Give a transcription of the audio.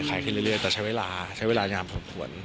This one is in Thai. ขึ้นเรื่อยแต่ใช้เวลาใช้เวลานานพอสมควร